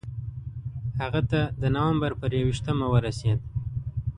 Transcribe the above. هغه ته د نومبر پر یوویشتمه ورسېد.